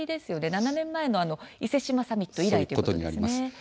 ７年前の伊勢志摩サミット以来ですね。